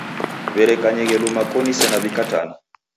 W'erekanyeghe luma koni sena w'ikatana.